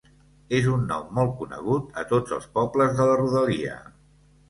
És un nom molt conegut a tots els pobles de la rodalia.